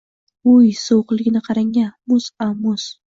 — Vuy, sovuhligini qarang-a! Muz-a, muz!